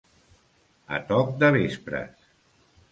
A toc de vespres.